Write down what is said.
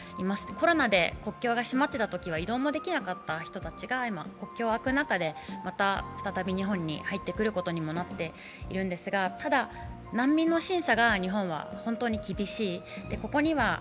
コロナで国境が閉まっていたときは移動もできなかった人たちが今、国境が開く中で、今再び日本に入ってくるということになるんですけれども、ただ、難民の審査が日本は本当に厳しい。